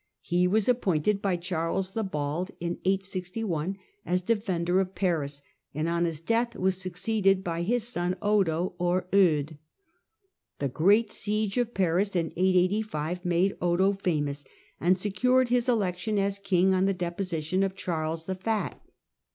He was appointed by Charles the Bald in 861 as de fender of Paris, and on his death was succeeded by his son Odo (or Eudes) . The great siege of Paris in 885 made Odo famous and secured his election as king on the deposition of Charles the Fat.